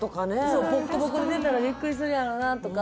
そうボッコボコで出たらビックリするやろうなとか